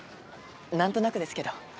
なんとなくですけど。